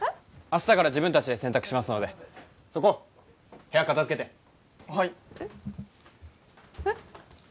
明日から自分達で洗濯しますのでそこ部屋片付けてはいえっえっ？